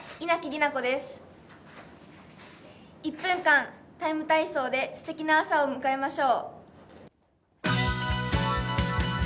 １分間「ＴＩＭＥ，体操」ですてきな朝を迎えましょう。